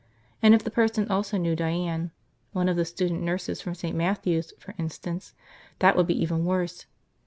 And if the person also knew Diane – one of the student nurses from St. Matthew's, for instance – that would be even worse.